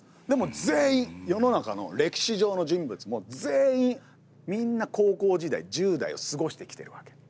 でも全員世の中の歴史上の人物も全員みんな高校時代１０代を過ごしてきてるわけ。